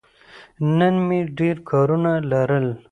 نن مې ډېر کارونه لرل.